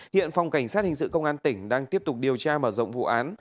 hiện phòng cảnh sát hình sự công an tỉnh đang tiếp tục điều tra mở rộng vụ án